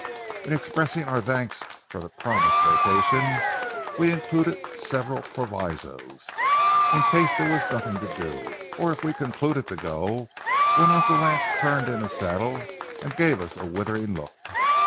In expressing our thanks for the promised vacation, we included several provisos—in case there was nothing to do, or if we concluded to go—when Uncle Lance turned in his saddle and gave us a withering look.